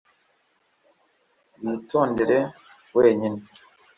witondere wenyine